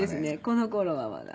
この頃はまだ。